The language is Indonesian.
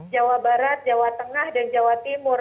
jawa barat jawa tengah dan jawa timur